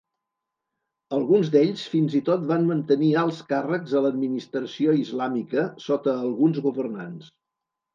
Alguns d'ells fins i tot van mantenir alts càrrecs a l'administració islàmica sota alguns governants.